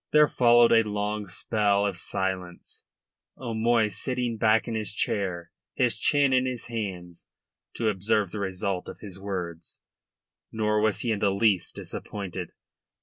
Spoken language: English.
There followed a long spell of silence, O'Moy sitting back in his chair, his chin in his hand, to observe the result of his words. Nor was he in the least disappointed.